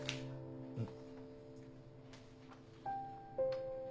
うん。